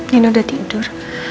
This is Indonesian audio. nino udah tidur